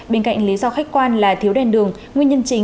bên cạnh lý do khách quan là thiếu đèn đường